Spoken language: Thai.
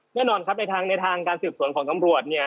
แน่นอนครับในทางการศึกษ์สวนของกำรวจ